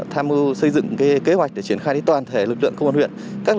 tham mưu xây dựng kế hoạch để triển khai đến toàn thể lực lượng công an huyện